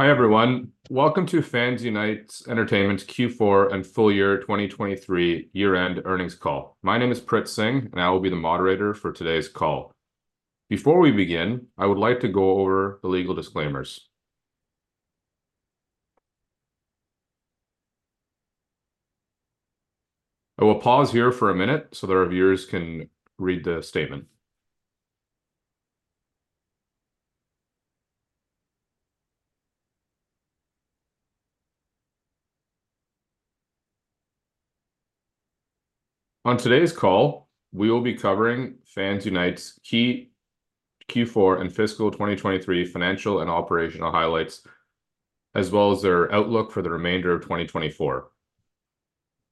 Hi everyone, welcome to FansUnite Entertainment's Q4 and full year 2023 year-end earnings call. My name is Prit Singh, and I will be the moderator for today's call. Before we begin, I would like to go over the legal disclaimers. I will pause here for a minute so that our viewers can read the statement. On today's call, we will be covering FansUnite's key Q4 and fiscal 2023 financial and operational highlights, as well as their outlook for the remainder of 2024.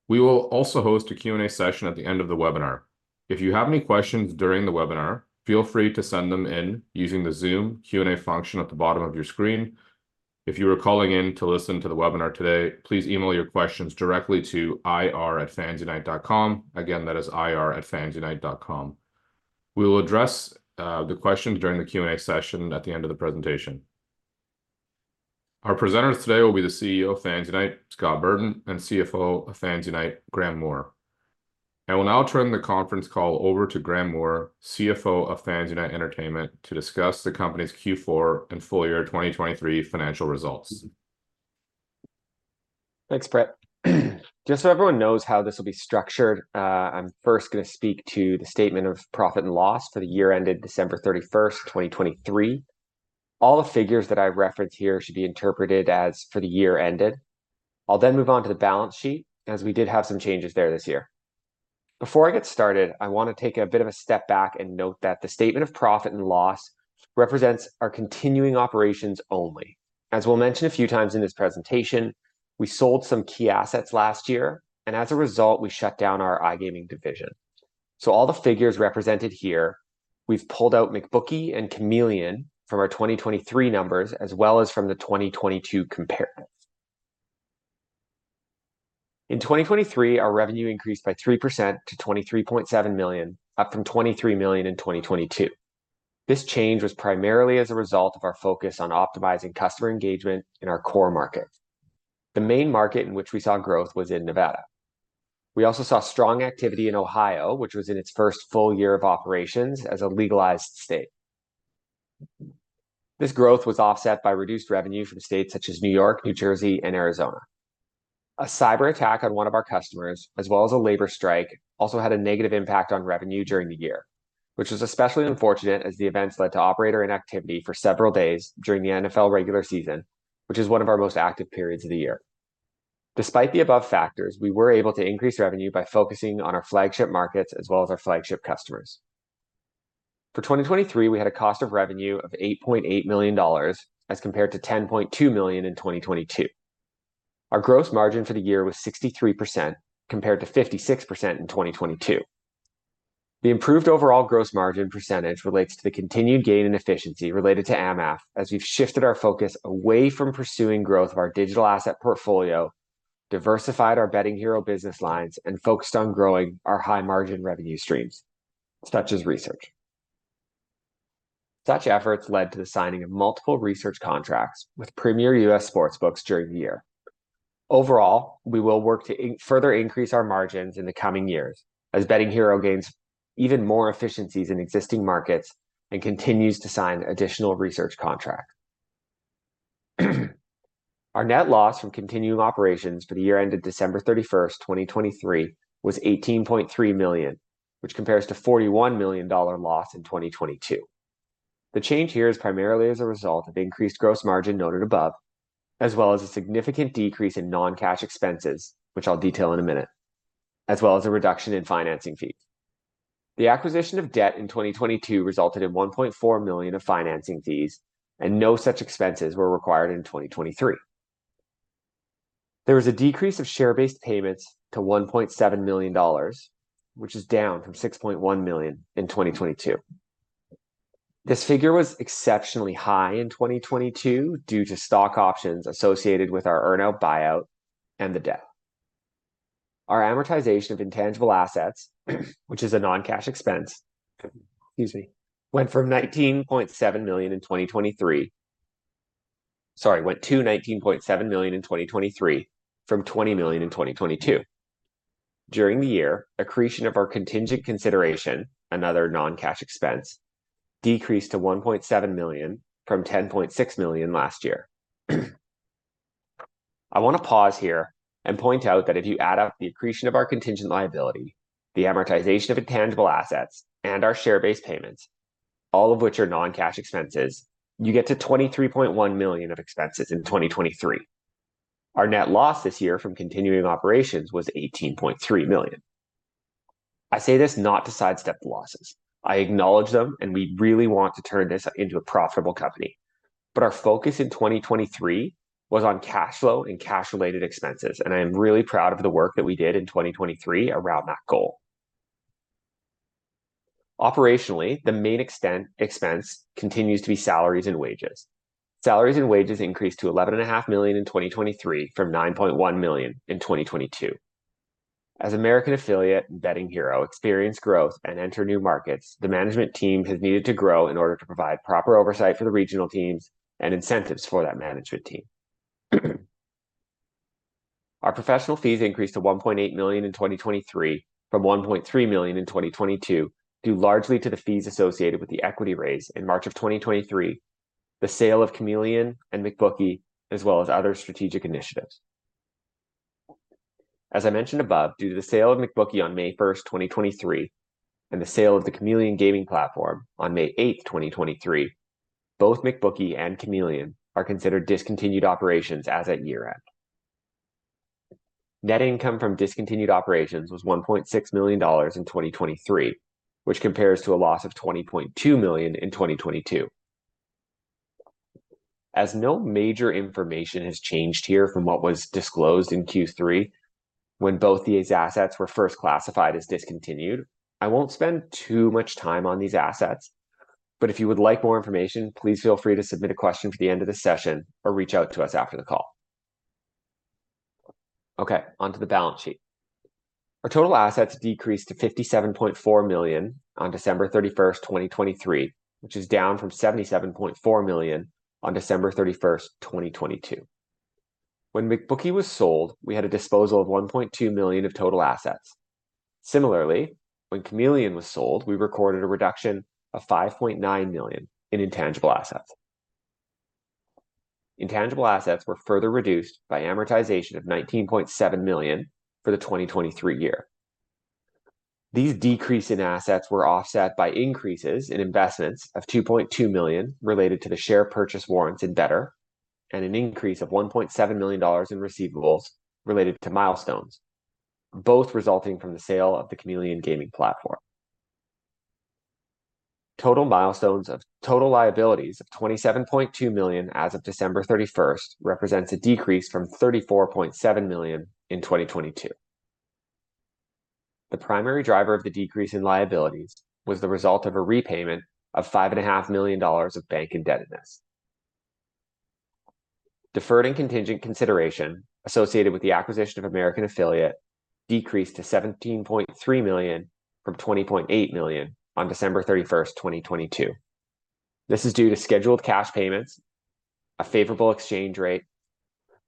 We will also host a Q&A session at the end of the webinar. If you have any questions during the webinar, feel free to send them in using the Zoom Q&A function at the bottom of your screen. If you are calling in to listen to the webinar today, please email your questions directly to ir@fansunite.com. Again, that is ir@fansunite.com. We will address the questions during the Q&A session at the end of the presentation. Our presenters today will be the CEO of FansUnite, Scott Burton, and CFO of FansUnite, Graeme Moore. I will now turn the conference call over to Graeme Moore, CFO of FansUnite Entertainment, to discuss the company's Q4 and full year 2023 financial results. Thanks, Prit. Just so everyone knows how this will be structured, I'm first going to speak to the statement of profit and loss for the year ended December 31st, 2023. All the figures that I reference here should be interpreted as for the year ended. I'll then move on to the balance sheet, as we did have some changes there this year. Before I get started, I want to take a bit of a step back and note that the statement of profit and loss represents our continuing operations only. As we'll mention a few times in this presentation, we sold some key assets last year, and as a result, we shut down our iGaming division. So all the figures represented here, we've pulled out McBookie and Chameleon from our 2023 numbers, as well as from the 2022 comparative. In 2023, our revenue increased by 3% to $23.7 million, up from $23 million in 2022. This change was primarily as a result of our focus on optimizing customer engagement in our core market. The main market in which we saw growth was in Nevada. We also saw strong activity in Ohio, which was in its first full year of operations as a legalized state. This growth was offset by reduced revenue from states such as New York, New Jersey, and Arizona. A cyber attack on one of our customers, as well as a labor strike, also had a negative impact on revenue during the year, which was especially unfortunate as the events led to operator inactivity for several days during the NFL regular season, which is one of our most active periods of the year. Despite the above factors, we were able to increase revenue by focusing on our flagship markets as well as our flagship customers. For 2023, we had a cost of revenue of $8.8 million as compared to $10.2 million in 2022. Our gross margin for the year was 63% compared to 56% in 2022. The improved overall gross margin percentage relates to the continued gain in efficiency related to AmAff, as we've shifted our focus away from pursuing growth of our digital asset portfolio, diversified our Betting Hero business lines, and focused on growing our high-margin revenue streams, such as research. Such efforts led to the signing of multiple research contracts with premier U.S. sportsbooks during the year. Overall, we will work to further increase our margins in the coming years as Betting Hero gains even more efficiencies in existing markets and continues to sign additional research contracts. Our net loss from continuing operations for the year ended December 31st, 2023, was $18.3 million, which compares to $ 41 million loss in 2022. The change here is primarily as a result of increased gross margin noted above, as well as a significant decrease in non-cash expenses, which I'll detail in a minute, as well as a reduction in financing fees. The acquisition of debt in 2022 resulted in $1.4 million of financing fees, and no such expenses were required in 2023. There was a decrease of share-based payments to $1.7 million, which is down from $ 6.1 million in 2022. This figure was exceptionally high in 2022 due to stock options associated with our earn-out buyout and the debt. Our amortization of intangible assets, which is a non-cash expense, excuse me, went from $19.7 million in 2023, sorry, went to $19.7 million in 2023 from $20 million in 2022. During the year, accretion of our contingent consideration, another non-cash expense, decreased to $1.7 million from $10.6 million last year. I want to pause here and point out that if you add up the accretion of our contingent liability, the amortization of intangible assets, and our share-based payments, all of which are non-cash expenses, you get to $23.1 million of expenses in 2023. Our net loss this year from continuing operations was $18.3 million. I say this not to sidestep the losses. I acknowledge them, and we really want to turn this into a profitable company. But our focus in 2023 was on cash flow and cash-related expenses, and I am really proud of the work that we did in 2023 around that goal. Operationally, the main expense continues to be salaries and wages. Salaries and wages increased to $11.5 million in 2023 from $ 9.1 million in 2022. As American Affiliate and Betting Hero experience growth and enter new markets, the management team has needed to grow in order to provide proper oversight for the regional teams and incentives for that management team. Our professional fees increased to $1.8 million in 2023 from $1.3 million in 2022 due largely to the fees associated with the equity raise in March of 2023, the sale of Chameleon and McBookie, as well as other strategic initiatives. As I mentioned above, due to the sale of McBookie on May 1st, 2023, and the sale of the Chameleon gaming platform on May 8th, 2023, both McBookie and Chameleon are considered discontinued operations as of year-end. Net income from discontinued operations was $1.6 million in 2023, which compares to a loss of $20.2 million in 2022. As no major information has changed here from what was disclosed in Q3 when both these assets were first classified as discontinued, I won't spend too much time on these assets. But if you would like more information, please feel free to submit a question for the end of the session or reach out to us after the call. Okay, onto the balance sheet. Our total assets decreased to $ 57.4 million on December 31st, 2023, which is down from $ 77.4 million on December 31st, 2022. When McBookie was sold, we had a disposal of $1.2 million of total assets. Similarly, when Chameleon was sold, we recorded a reduction of $ 5.9 million in intangible assets. Intangible assets were further reduced by amortization of $19.7 million for the 2023 year. These decrease in assets were offset by increases in investments of $2.2 million related to the share purchase warrants in Betr and an increase of $1.7 million in receivables related to milestones, both resulting from the sale of the Chameleon gaming platform. Total milestones of total liabilities of $27.2 million as of December 31st represents a decrease from $ 34.7 million in 2022. The primary driver of the decrease in liabilities was the result of a repayment of $ 5.5 million of bank indebtedness. Deferred and contingent consideration associated with the acquisition of American Affiliate decreased to $17.3 million from $20.8 million on December 31st, 2022. This is due to scheduled cash payments, a favorable exchange rate,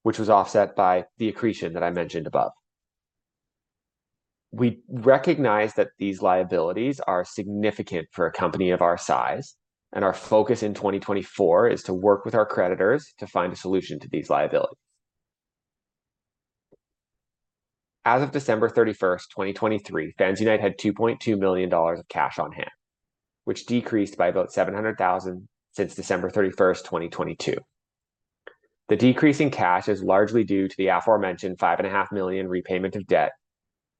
which was offset by the accretion that I mentioned above. We recognize that these liabilities are significant for a company of our size, and our focus in 2024 is to work with our creditors to find a solution to these liabilities. As of December 31st, 2023, FansUnite had $2.2 million of cash on hand, which decreased by about $ 700,000 since December 31st, 2022. The decrease in cash is largely due to the aforementioned $ 5.5 million repayment of debt,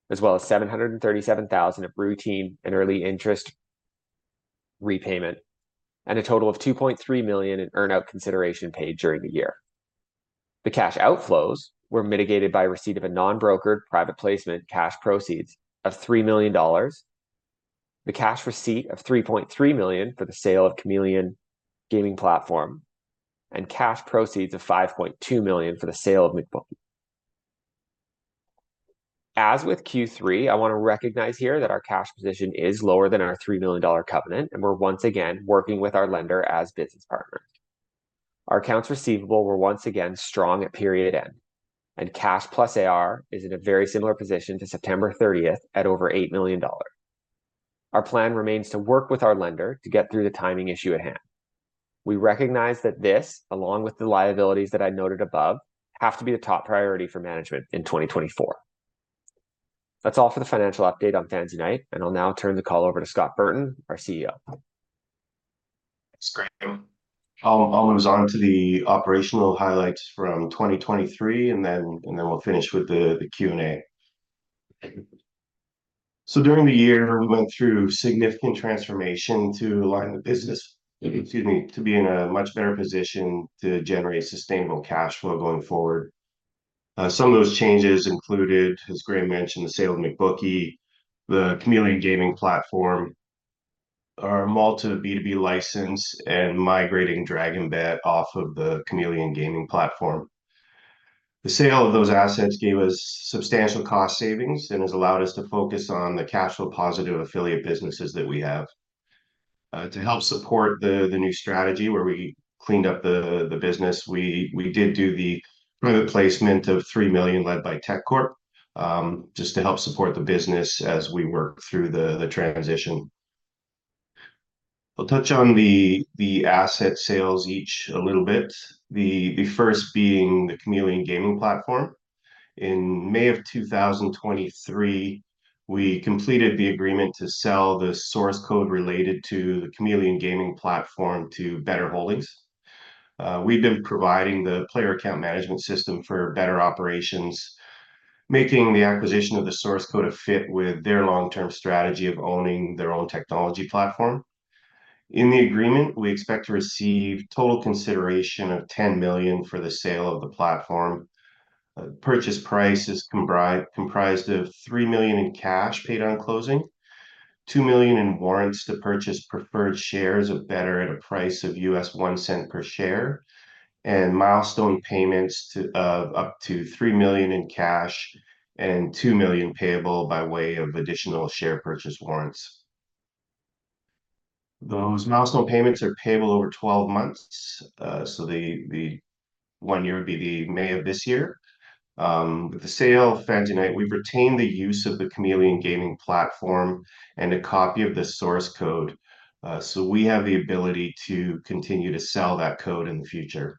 as well as $ 737,000 of routine and early interest repayment, and a total of $2.3 million in earn-out consideration paid during the year. The cash outflows were mitigated by receipt of a non-brokered private placement cash proceeds of $ 3 million, the cash receipt of $ 3.3 million for the sale of Chameleon gaming platform, and cash proceeds of $ 5.2 million for the sale of McBookie. As with Q3, I want to recognize here that our cash position is lower than our $ 3 million covenant, and we're once again working with our lender as business partners. Our accounts receivable were once again strong at period end, and cash plus AR is in a very similar position to September 30th at over $8 million. Our plan remains to work with our lender to get through the timing issue at hand. We recognize that this, along with the liabilities that I noted above, have to be the top priority for management in 2024. That's all for the financial update on FansUnite, and I'll now turn the call over to Scott Burton, our CEO. Thanks, Graeme. I'll move on to the operational highlights from 2023, and then we'll finish with the Q&A. During the year, we went through significant transformation to align the business, excuse me, to be in a much better position to generate sustainable cash flow going forward. Some of those changes included, as Graeme mentioned, the sale of McBookie, the Chameleon gaming platform, our Malta B2B license, and migrating DragonBet off of the Chameleon gaming platform. The sale of those assets gave us substantial cost savings and has allowed us to focus on the cash flow positive affiliate businesses that we have. To help support the new strategy where we cleaned up the business, we did do the private placement of $ 3 million led by Tekkorp just to help support the business as we work through the transition. I'll touch on the asset sales each a little bit, the first being the Chameleon gaming platform. In May of 2023, we completed the agreement to sell the source code related to the Chameleon gaming platform to Betr Holdings. We've been providing the player account management system for Betr Operations, making the acquisition of the source code a fit with their long-term strategy of owning their own technology platform. In the agreement, we expect to receive total consideration of $10 million for the sale of the platform. Purchase price is comprised of $3 million in cash paid on closing, $2 million in warrants to purchase preferred shares of Betr at a price of $0.01 per share, and milestone payments of up to $3 million in cash and $2 million payable by way of additional share purchase warrants. Those milestone payments are payable over 12 months, so the one year would be the May of this year. With the sale, FansUnite, we've retained the use of the Chameleon gaming platform and a copy of the source code, so we have the ability to continue to sell that code in the future.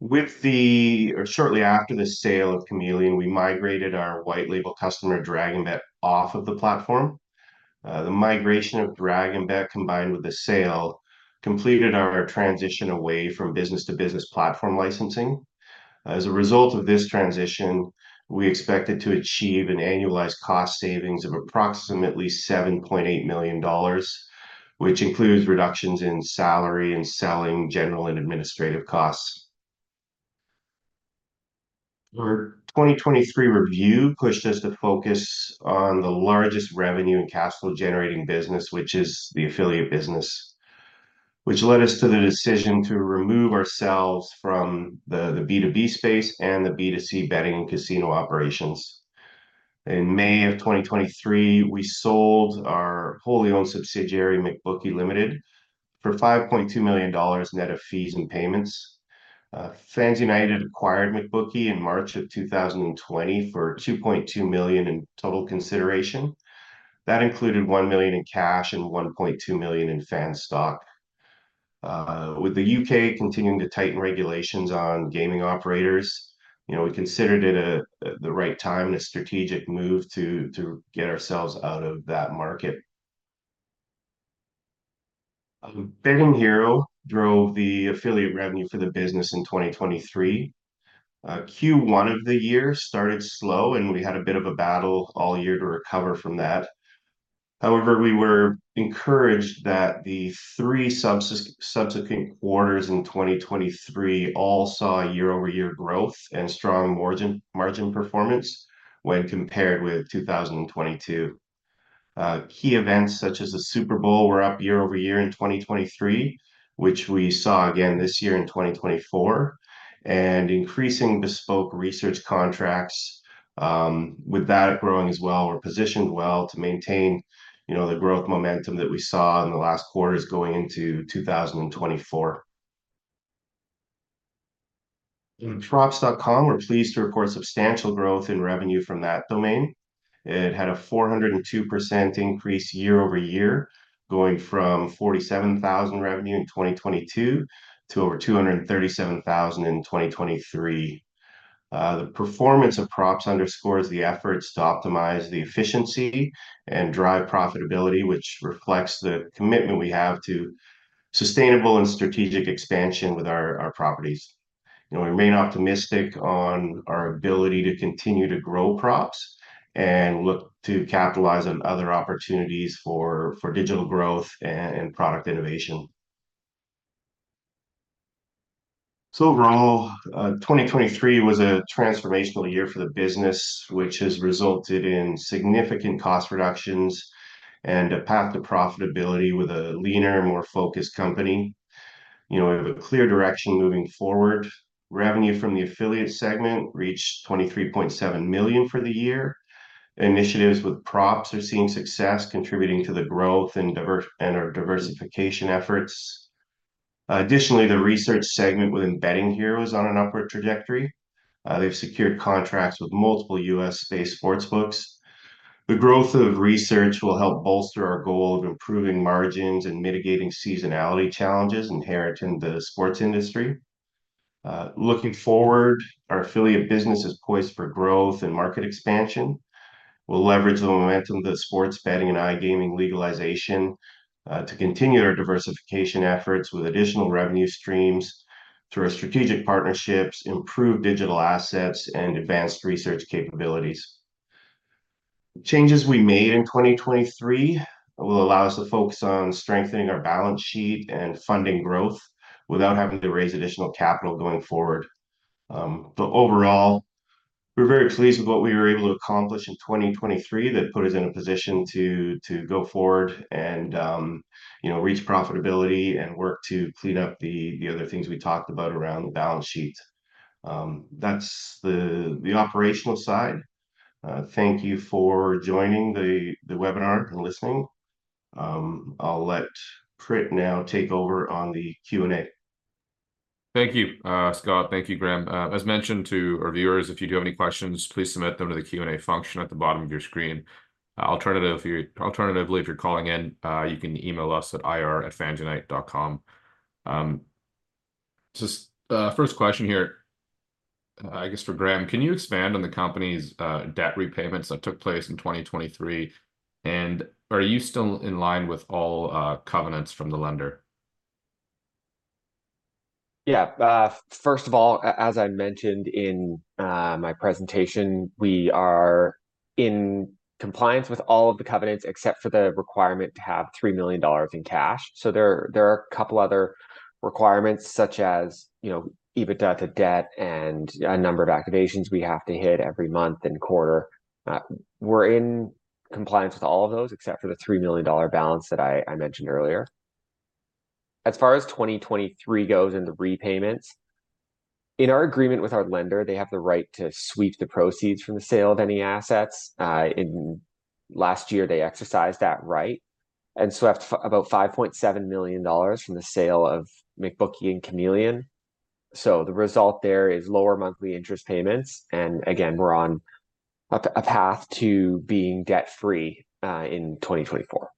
Shortly after the sale of Chameleon, we migrated our white-label customer DragonBet off of the platform. The migration of DragonBet combined with the sale completed our transition away from business-to-business platform licensing. As a result of this transition, we expected to achieve an annualized cost savings of approximately $ 7.8 million, which includes reductions in salary and selling general and administrative costs. Our 2023 review pushed us to focus on the largest revenue and cash flow generating business, which is the affiliate business, which led us to the decision to remove ourselves from the B2B space and the B2C betting and casino operations. In May of 2023, we sold our wholly owned subsidiary McBookie Limited for $5.2 million net of fees and payments. FansUnite had acquired McBookie in March of 2020 for $2.2 million in total consideration. That included $1 million in cash and $1.2 million in FANS stock. With the U.K. continuing to tighten regulations on gaming operators, we considered it the right time and a strategic move to get ourselves out of that market. Betting Hero drove the affiliate revenue for the business in 2023. Q1 of the year started slow, and we had a bit of a battle all year to recover from that. However, we were encouraged that the three subsequent quarters in 2023 all saw year-over-year growth and strong margin performance when compared with 2022. Key events such as the Super Bowl were up year-over-year in 2023, which we saw again this year in 2024, and increasing bespoke research contracts. With that growing as well, we're positioned well to maintain the growth momentum that we saw in the last quarters going into 2024. In Props.com, we're pleased to report substantial growth in revenue from that domain. It had a 402% increase year-over-year, going from $47,000 revenue in 2022 to over $237,000 in 2023. The performance of Props underscores the efforts to optimize the efficiency and drive profitability, which reflects the commitment we have to sustainable and strategic expansion with our properties. We remain optimistic on our ability to continue to grow Props and look to capitalize on other opportunities for digital growth and product innovation. So overall, 2023 was a transformational year for the business, which has resulted in significant cost reductions and a path to profitability with a leaner, more focused company. We have a clear direction moving forward. Revenue from the affiliate segment reached $23.7 million for the year. Initiatives with Props are seeing success, contributing to the growth and our diversification efforts. Additionally, the research segment within Betting Hero is on an upward trajectory. They've secured contracts with multiple U.S.-based sportsbooks. The growth of research will help bolster our goal of improving margins and mitigating seasonality challenges inherent in the sports industry. Looking forward, our affiliate business is poised for growth and market expansion. We'll leverage the momentum of the sports betting and iGaming legalization to continue our diversification efforts with additional revenue streams through our strategic partnerships, improved digital assets, and advanced research capabilities. Changes we made in 2023 will allow us to focus on strengthening our balance sheet and funding growth without having to raise additional capital going forward. But overall, we're very pleased with what we were able to accomplish in 2023 that put us in a position to go forward and reach profitability and work to clean up the other things we talked about around the balance sheet. That's the operational side. Thank you for joining the webinar and listening. I'll let Prit now take over on the Q&A. Thank you, Scott. Thank you, Graeme. As mentioned to our viewers, if you do have any questions, please submit them to the Q&A function at the bottom of your screen. Alternatively, if you're calling in, you can email us at ir@fansunite.com. First question here, I guess, for Graeme, can you expand on the company's debt repayments that took place in 2023, and are you still in line with all covenants from the lender? Yeah. First of all, as I mentioned in my presentation, we are in compliance with all of the covenants except for the requirement to have $3 million in cash. So there are a couple of other requirements such as EBITDA to debt and a number of activations we have to hit every month and quarter. We're in compliance with all of those except for the $3 million balance that I mentioned earlier. As far as 2023 goes and the repayments, in our agreement with our lender, they have the right to sweep the proceeds from the sale of any assets. Last year, they exercised that right and swept about $5.7 million from the sale of McBookie and Chameleon. So the result there is lower monthly interest payments. And again, we're on a path to being debt-free in 2024.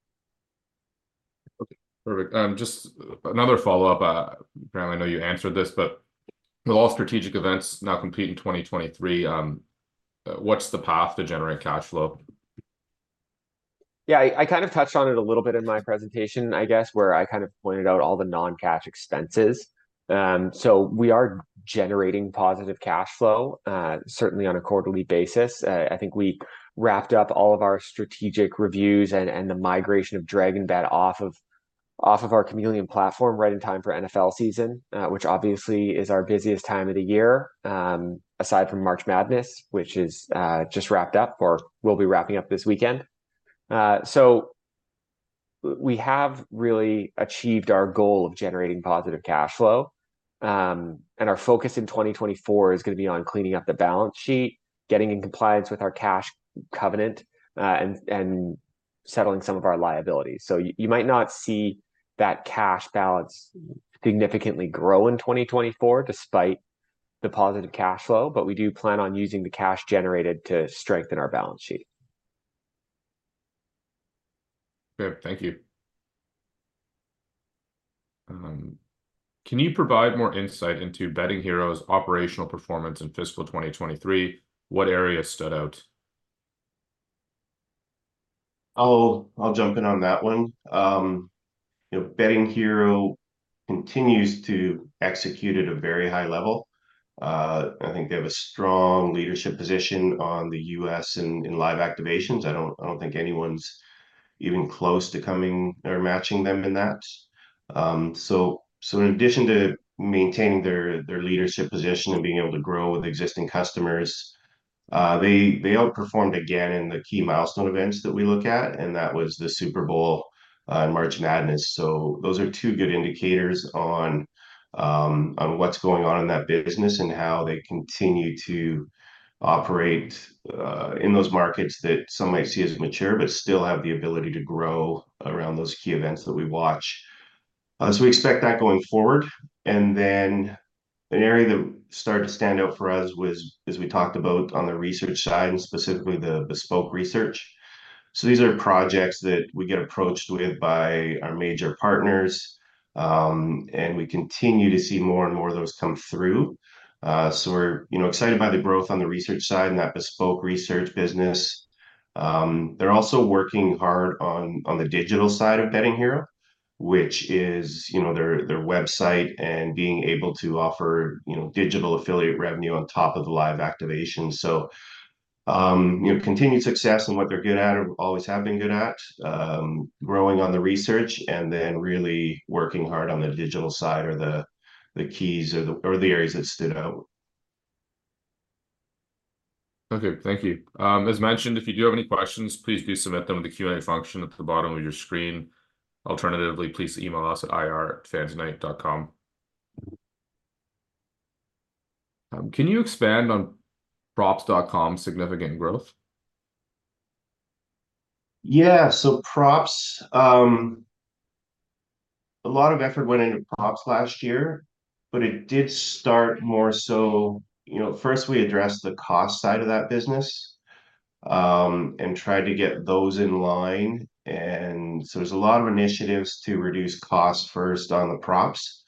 Okay. Perfect. Just another follow-up. Apparently, I know you answered this, but with all strategic events now complete in 2023, what's the path to generate cash flow? Yeah. I kind of touched on it a little bit in my presentation, I guess, where I kind of pointed out all the non-cash expenses. So we are generating positive cash flow, certainly on a quarterly basis. I think we wrapped up all of our strategic reviews and the migration of DragonBet off of our Chameleon platform right in time for NFL season, which obviously is our busiest time of the year, aside from March Madness, which is just wrapped up or will be wrapping up this weekend. So we have really achieved our goal of generating positive cash flow, and our focus in 2024 is going to be on cleaning up the balance sheet, getting in compliance with our cash covenant, and settling some of our liabilities. You might not see that cash balance significantly grow in 2024 despite the positive cash flow, but we do plan on using the cash generated to strengthen our balance sheet. Great. Thank you. Can you provide more insight into Betting Hero's operational performance in fiscal 2023? What areas stood out? I'll jump in on that one. Betting Hero continues to execute at a very high level. I think they have a strong leadership position in the U.S. and live activations. I don't think anyone's even close to coming or matching them in that. In addition to maintaining their leadership position and being able to grow with existing customers, they outperformed again in the key milestone events that we look at, and that was the Super Bowl and March Madness. Those are two good indicators on what's going on in that business and how they continue to operate in those markets that some might see as mature but still have the ability to grow around those key events that we watch. We expect that going forward. And then an area that started to stand out for us was, as we talked about, on the research side, and specifically the bespoke research. So these are projects that we get approached with by our major partners, and we continue to see more and more of those come through. So we're excited by the growth on the research side and that bespoke research business. They're also working hard on the digital side of Betting Hero, which is their website and being able to offer digital affiliate revenue on top of the live activations. So continued success in what they're good at or always have been good at, growing on the research, and then really working hard on the digital side are the keys or the areas that stood out. Okay. Thank you. As mentioned, if you do have any questions, please do submit them to the Q&A function at the bottom of your screen. Alternatively, please email us at ir@fansunite.com. Can you expand on Props.com's significant growth? Yeah. So a lot of effort went into Props last year, but it did start more so first. We addressed the cost side of that business and tried to get those in line. And so there's a lot of initiatives to reduce costs first on the props.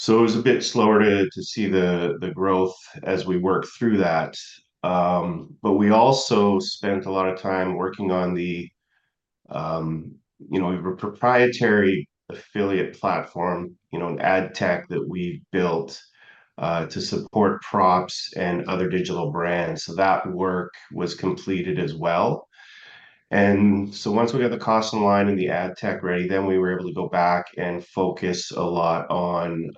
So it was a bit slower to see the growth as we worked through that. But we also spent a lot of time working on the we have a proprietary affiliate platform, an ad tech that we built to support props and other digital brands. So that work was completed as well. And so once we got the costs in line and the ad tech ready, then we were able to go back and focus a lot on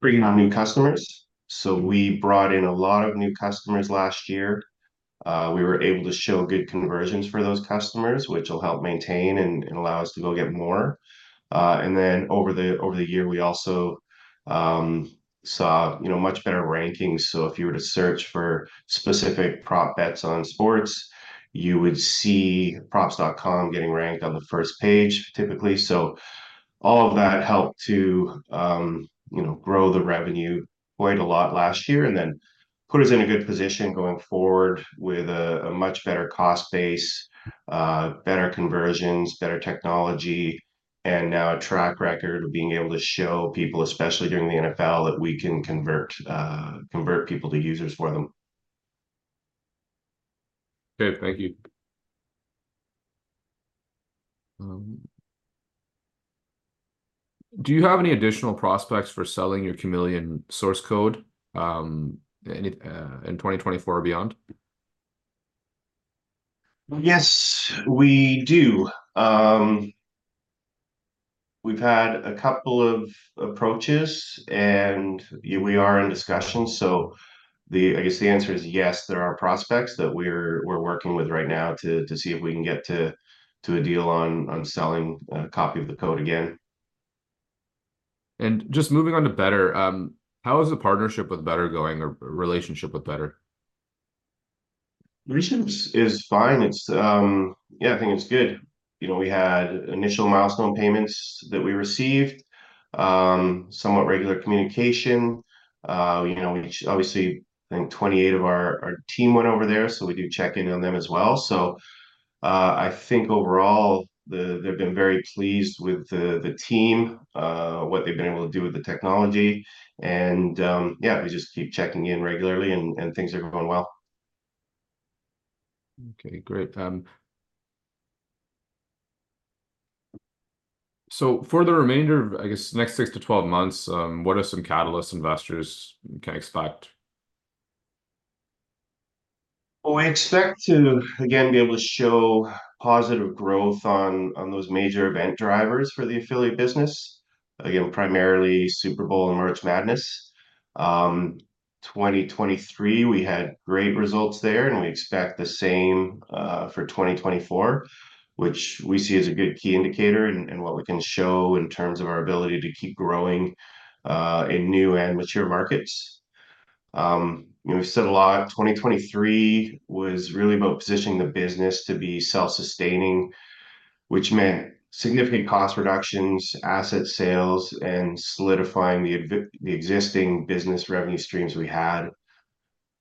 bringing on new customers. So we brought in a lot of new customers last year. We were able to show good conversions for those customers, which will help maintain and allow us to go get more. And then over the year, we also saw much better rankings. So if you were to search for specific prop bets on sports, you would see Props.com getting ranked on the first page, typically. So all of that helped to grow the revenue quite a lot last year and then put us in a good position going forward with a much better cost base, better conversions, better technology, and now a track record of being able to show people, especially during the NFL, that we can convert people to users for them. Okay. Thank you. Do you have any additional prospects for selling your Chameleon source code in 2024 or beyond? Yes, we do. We've had a couple of approaches, and we are in discussion. So I guess the answer is yes. There are prospects that we're working with right now to see if we can get to a deal on selling a copy of the code again. Just moving on to Betr, how is the partnership with Betr going or relationship with Betr? Relationship is fine. Yeah, I think it's good. We had initial milestone payments that we received, somewhat regular communication. Obviously, I think 28 of our team went over there, so we do check in on them as well. So I think overall, they've been very pleased with the team, what they've been able to do with the technology. And yeah, we just keep checking in regularly, and things are going well. Okay. Great. So for the remainder of, I guess, the next 6-12 months, what are some catalyst investors can expect? Well, we expect to, again, be able to show positive growth on those major event drivers for the affiliate business, again, primarily Super Bowl and March Madness. 2023, we had great results there, and we expect the same for 2024, which we see as a good key indicator in what we can show in terms of our ability to keep growing in new and mature markets. We've said a lot. 2023 was really about positioning the business to be self-sustaining, which meant significant cost reductions, asset sales, and solidifying the existing business revenue streams we had.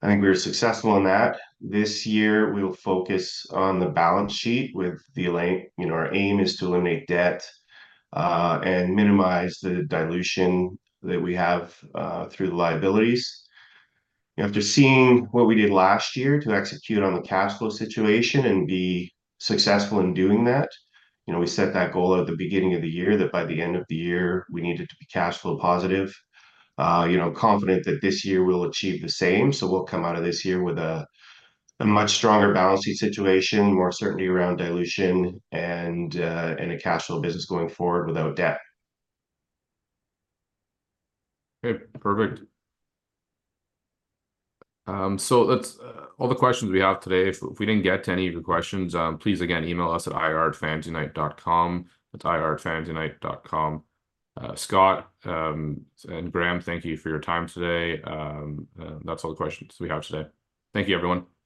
I think we were successful in that. This year, we will focus on the balance sheet with our aim to eliminate debt and minimize the dilution that we have through the liabilities. After seeing what we did last year to execute on the cash flow situation and be successful in doing that, we set that goal at the beginning of the year that by the end of the year, we needed to be cash flow positive, confident that this year we'll achieve the same. So we'll come out of this year with a much stronger balance sheet situation, more certainty around dilution, and a cash flow business going forward without debt. Okay. Perfect. So that's all the questions we have today. If we didn't get to any of your questions, please, again, email us at ir@fansunite.com. That's ir@fansunite.com. Scott and Graeme, thank you for your time today. That's all the questions we have today. Thank you, everyone. Thank you.